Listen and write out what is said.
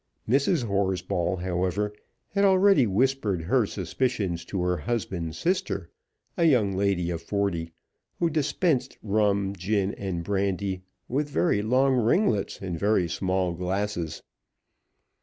Mrs. Horsball, however, had already whispered her suspicions to her husband's sister, a young lady of forty, who dispensed rum, gin, and brandy, with very long ringlets and very small glasses.